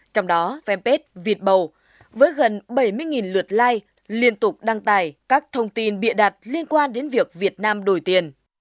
trong đó fanpage việt bầu với gần bảy mươi lượt like liên tục đăng tài các thông tin bị đặt liên quan đến việc việt nam đổi tiền